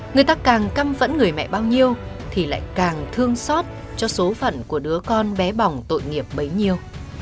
người ta càng căm vẫn người mẹ bao nhiêu thì lại càng thương xót cho số phận của đứa con bé bỏng tội nghiệp bấy nhiêu